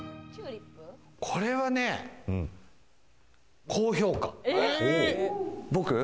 これはね、高評価。